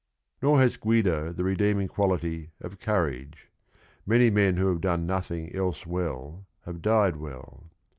Nor has Guido the redeeming quality of courage. Many men who have done nothing else well have died well.